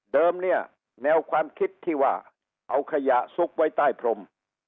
เนี่ยแนวความคิดที่ว่าเอาขยะซุกไว้ใต้พรม